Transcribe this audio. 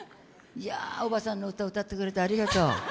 おばさんの歌、歌ってくれてありがとう。